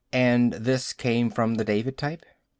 "And this came from the David type?"